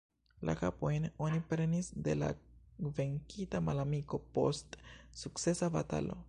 La kapojn oni prenis de la venkita malamiko, post sukcesa batalo.